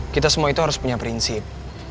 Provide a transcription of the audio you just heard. kita semua itu harus punya prinsip